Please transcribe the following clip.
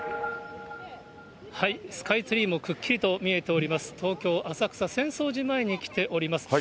スカイツリーもくっきりと見えております、東京・浅草、浅草寺前に来ております。